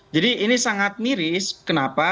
jadi ini sangat miris kenapa